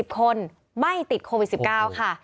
คนไม่ติดโควิด๑๙ค่ะ